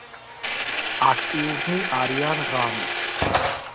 აქტიურნი არიან ღამით.